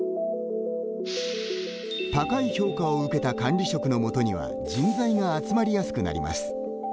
高い評価を受けた管理職のもとには人材が集まりやすくなります。